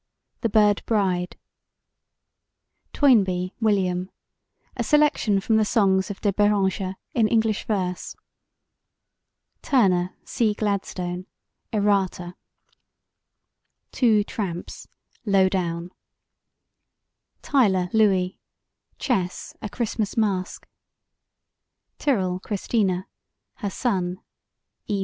The Bird Bride TOYNBEE, WILLIAM: A Selection from the Songs of De Beranger in English Verse TURNER, C. GLADSTONE: Errata TWO TRAMPS: Low Down TYLOR, LOUIS: Chess: A Christmas Masque TYRRELL, CHRISTINA: Her Son (E.